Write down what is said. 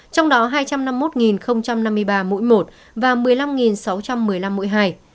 trong đó hai trăm năm mươi một năm mươi ba mũi một và một mươi năm sáu trăm một mươi năm mũi hai